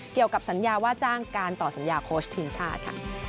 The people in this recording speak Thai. เกี่ยวกับสัญญาว่าจ้างการต่อสัญญาโค้ชทีมชาติค่ะ